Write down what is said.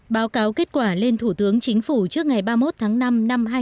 báo cáo kết quả lên thủ tướng chính phủ trước ngày ba mươi một tháng năm năm hai nghìn hai mươi